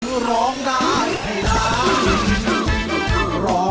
ร้องได้ให้ร้อง